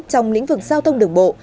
trong lĩnh vực giao thông đường bộ